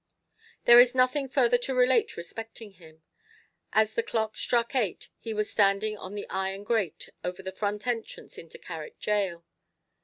There is nothing further to relate respecting him. As the clock struck eight he was standing on the iron grate over the front entrance into Carrick gaol.